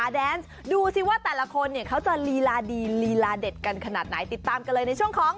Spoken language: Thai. ดูสิว่าแต่ละคนเขาจะลีลาดีลีลาเด็ดกันขนาดไหน